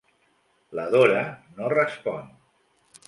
La Dora no respon.